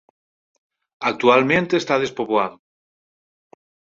Actualmente está despoboado.